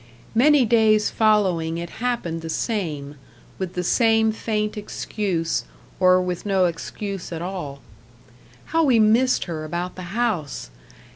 Many days following it happened the same; with the same faint excuse, or with no excuse at all. How we missed her about the house!